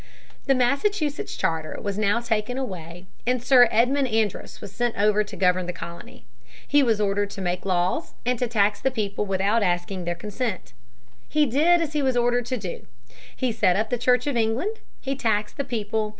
The Massachusetts charter was now taken away, and Sir Edmund Andros was sent over to govern the colony. He was ordered to make laws and to tax the people without asking their consent. He did as he was ordered to do. He set up the Church of England. He taxed the people.